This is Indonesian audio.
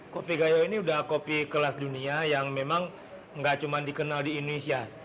kopi gayo ini sudah kopi kelas dunia yang memang nggak cuma dikenal di indonesia